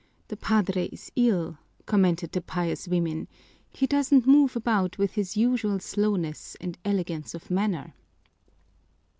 "The padre is ill," commented the pious women. "He doesn't move about with his usual slowness and elegance of manner."